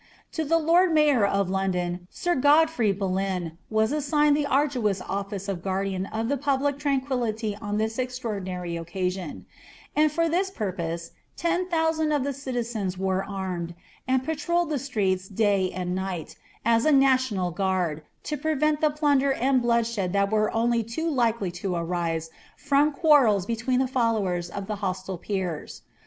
To llie lord mayor of Lond<in, sir Godfrey B was assigned the anluous office of guardian of the public iramitiitlity' this extr«or<liciary occasion; and for this purpose ten thnusnnd ot the citizens were armed, and patrolled the streets day and night na a naiiMiil guard, to prevent the plunder and bloodshed that were only too likslv to arise from quarrels between the followers of lh<! hostile peers.